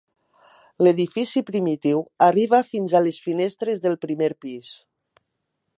L'edifici primitiu arriba fins a les finestres del primer pis.